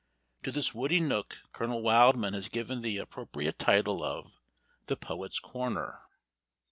To this woody nook Colonel Wildman has given the appropriate title of "the Poet's Corner."